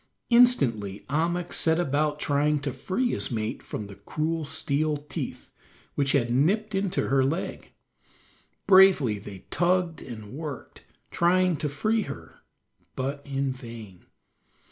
Instantly Ahmuk set about trying to free his mate from the cruel steel teeth, which had nipped into her leg. Bravely they tugged and worked, trying to free her, but in vain.